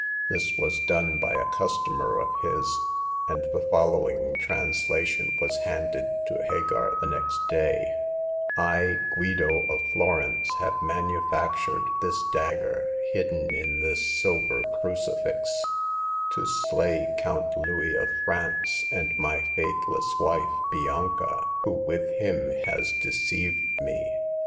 This was done by a customer of his, and the following translation was handed to Hagar the next day : I, Guido, of Florence, have manufactured this dagger, hidden in this silver crucifix, to slay The Fourth Customer. 129 Count Louis from France and my faithless wife, Bianca, who with him has deceived me.